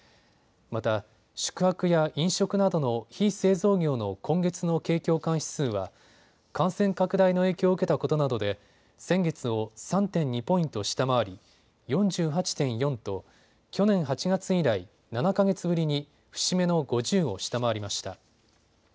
また、宿泊や飲食などの非製造業の今月の景況感指数は感染拡大の影響を受けたことなどで先月を３．２ポイント下回り４８．４と去年８月以来、７か月ぶりに節目の５０を下回りました。